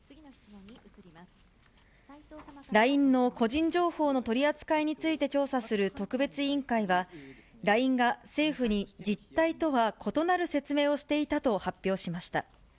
ＬＩＮＥの個人情報の取り扱いについて調査する特別委員会は、ＬＩＮＥが政府に実態とは異なる説明をしていたと発表しました。